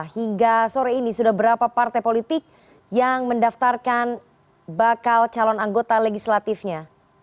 hingga sore ini sudah berapa partai politik yang mendaftarkan bakal calon anggota legislatifnya